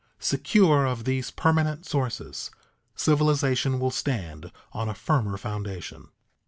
Secure of these permanent sources, civilization will stand on a firmer foundation.